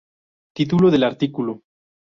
Título del artículo.